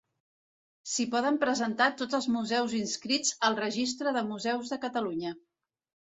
S'hi poden presentar tots els museus inscrits al Registre de Museus de Catalunya.